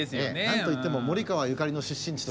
なんと言っても森川由加里の出身地。